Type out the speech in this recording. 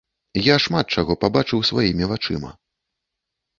Я шмат чаго пабачыў сваімі вачыма.